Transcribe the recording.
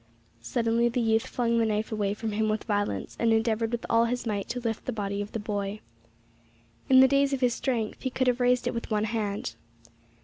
Suddenly the youth flung the knife away from him with violence, and endeavoured with all his might to lift the body of the boy. In the days of his strength he could have raised it with one hand.